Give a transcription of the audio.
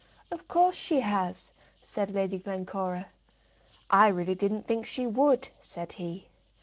"Of course she has," said Lady Glencora. "I really didn't think she would," said he.